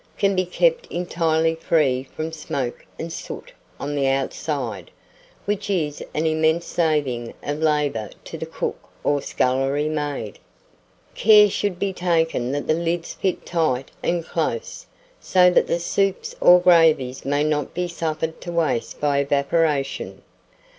can be kept entirely free from smoke and soot on the outside, which is an immense saving of labour to the cook or scullery maid. Care should be taken that the lids fit tight and close, so that soups or gravies may not be suffered to waste by evaporation.